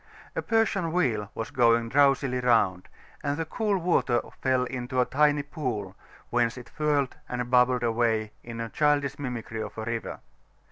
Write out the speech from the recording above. A Persian wheel was going drowsily round, and the cool water fell into a tiny pool, whence it whirled and bubbled away in childish mimicry of a river.